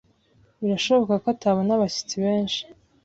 birashoboka ko atabona abashyitsi benshi.